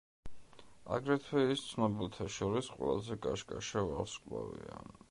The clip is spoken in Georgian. აგრეთვე ის ცნობილთა შორის ყველაზე კაშკაშა ვარსკვლავია.